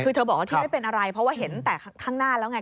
คือเธอบอกว่าที่ไม่เป็นอะไรเพราะว่าเห็นแต่ข้างหน้าแล้วไง